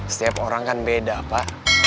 setiap orang kan beda pak